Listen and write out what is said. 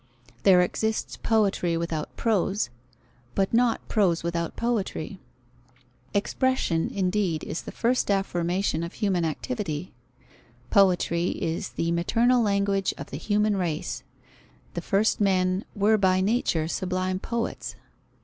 There exists poetry without prose, but not prose without poetry. Expression, indeed, is the first affirmation of human activity. Poetry is "the maternal language of the human race"; the first men "were by nature sublime poets."